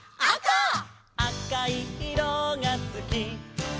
「あかいいろがすき」